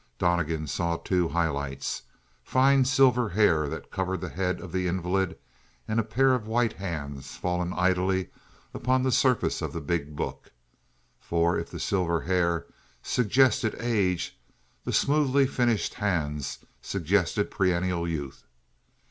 Donnegan saw two highlights fine silver hair that covered the head of the invalid and a pair of white hands fallen idly upon the surface of the big book, for if the silver hair suggested age the smoothly finished hands suggested perennial youth.